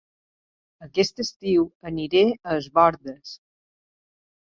Aquest estiu aniré a Es Bòrdes